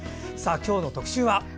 今日の特集は？